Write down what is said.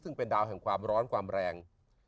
ซึ่งเป็นดาวแห่งความร้อนความแรง